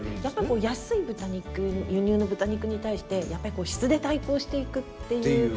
やっぱりこう安い豚肉輸入の豚肉に対してやっぱりこう質で対抗していくっていう。